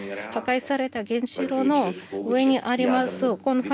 破壊された原子炉の上にあります